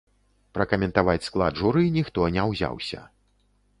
Пракаментаваць склад журы ніхто не ўзяўся.